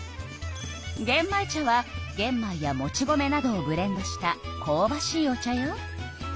げん米茶はげん米やもち米などをブレンドしたこうばしいお茶よ。